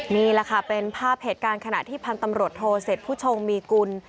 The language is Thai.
นี่แหละค่ะเป็นภาพเหตุการณ์ขณะที่พันธ์ตำรวจโทเสร็จผู้ชงมีกุล